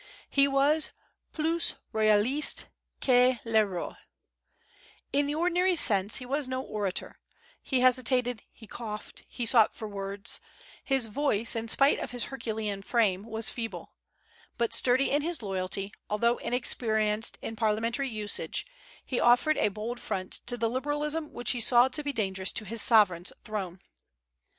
He was plus royaliste que le roi. In the ordinary sense he was no orator. He hesitated, he coughed, he sought for words; his voice, in spite of his herculean frame, was feeble. But sturdy in his loyalty, although inexperienced in parliamentary usage, he offered a bold front to the liberalism which he saw to be dangerous to his sovereign's throne.